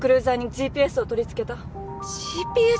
ＧＰＳ！？